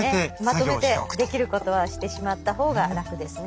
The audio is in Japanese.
まとめてできることはしてしまった方が楽ですね。